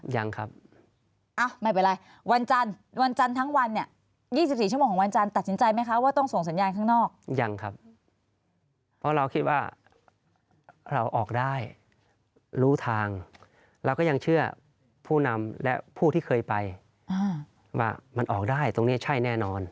ยังครับเพราะเราคิดว่าเราออกได้รู้ทางเราก็ยังเชื่อผู้นำและผู้ที่เคยไปว่ามันออกได้ตรงนี้ใช่แน่นอน